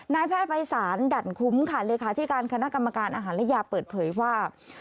นายแพทย์ภัยศาลดั่นคุ้มค่ะเลขาธิการคณะกรรมการอาหารและยาเปิดเผยว่า